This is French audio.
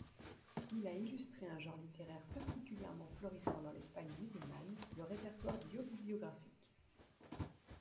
Il a illustré un genre littéraire particulièrement florissant dans l'Espagne musulmane, le répertoire bio-bibliographique.